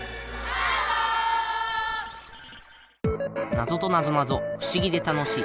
ナゾとなぞなぞ不思議で楽しい。